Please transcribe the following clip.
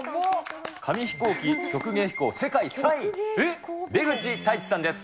紙飛行機曲芸飛行世界３位、出口泰地さんです。